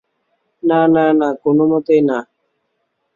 না, না, না, কোনমতেই না।